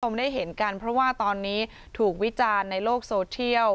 ได้เห็นกันเพราะว่าตอนนี้ถูกวิจารณ์ในโลกโซเทียล